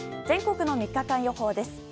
全国の３日間予報です。